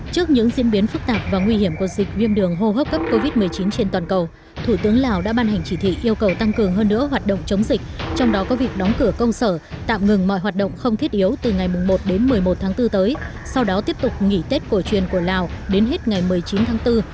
trước những diễn biến phức tạp và nguy hiểm của dịch viêm đường hô hấp cấp covid một mươi chín trên toàn cầu thủ tướng lào đã ban hành chỉ thị yêu cầu tăng cường hơn nữa hoạt động chống dịch trong đó có việc đóng cửa công sở tạm ngừng mọi hoạt động không thiết yếu từ ngày một đến một mươi một tháng bốn tới sau đó tiếp tục nghỉ tết cổ truyền của lào đến hết ngày một mươi chín tháng bốn